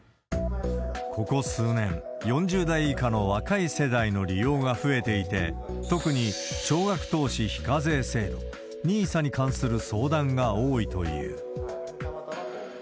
ここ数年、４０代以下の若い世代の利用が増えていて、特に少額投資非課税制度・ＮＩＳＡに関する相談が多いという。